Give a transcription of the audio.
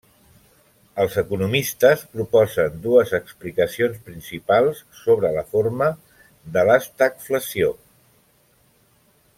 Els economistes proposen dues explicacions principals sobre la formació de l'estagflació.